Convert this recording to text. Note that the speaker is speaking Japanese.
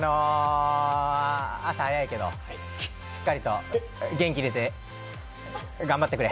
朝早いけど、しっかりと元気出て頑張ってくれ。